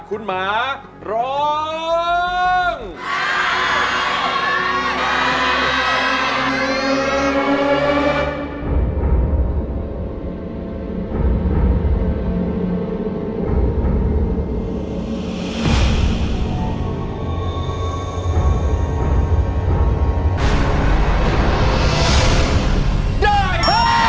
คุณหมาร้องได้ร้องได้